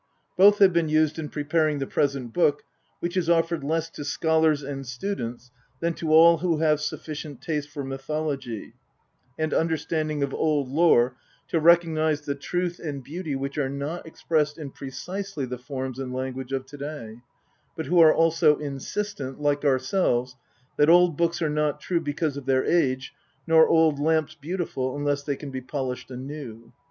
Both have been used in preparing the present book, which is offered less to scholars and students than to all who have sufficient taste for mythology, and understanding of old lore, to recog nise the truth and beauty which are not expressed in precisely the forms and language of to day ; but who are also insistent, like our selves, that old books are not true because of their age, nor old lamps beautiful unless they can be polished anew.